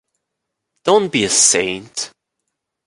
Don’t be a saint.